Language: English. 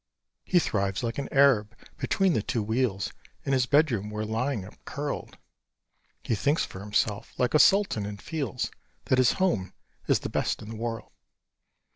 He thrives like an Arab. Between the two wheels Is his bedroom, where, lying up curled, He thinks for himself, like a sultan, and feels That his home is the best in the world.